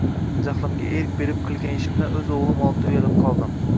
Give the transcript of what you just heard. Jahlimga erk berib qilgan ishimdan oʻz oʻgʻlim oldida uyalib qoldim